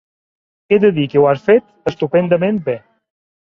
He de dir que ho has fet estupendament bé!